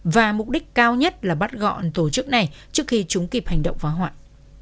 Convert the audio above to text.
và mục đích cao nhất là bắt gọn tổ chức này trước khi chúng kịp hành động vã hoạn